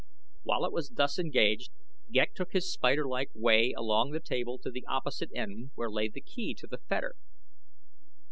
While it was thus engaged Ghek took his spider like way along the table to the opposite end where lay the key to the fetter.